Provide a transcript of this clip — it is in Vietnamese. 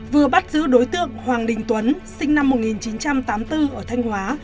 vừa bắt giữ đối tượng hoàng đình tuấn sinh năm một nghìn chín trăm tám mươi bốn ở thanh hóa